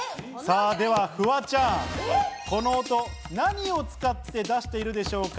ではフワちゃん、この音、何を使って出しているでしょうか？